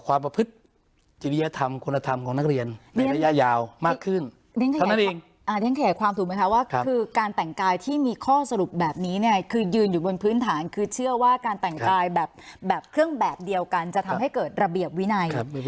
อ่าเน้นเขียนความถูกไหมคะว่าคือการแต่งกายที่มีข้อสรุปแบบนี้เนี่ยคือยืนอยู่บนพื้นฐานคือเชื่อว่าการแต่งกายแบบแบบเครื่องแบบเดียวกันจะทำให้เกิดระเบียบวินัยครับ